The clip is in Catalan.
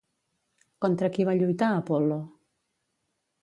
Contra qui va lluitar Apol·lo?